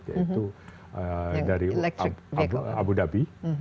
yaitu dari abu dhabi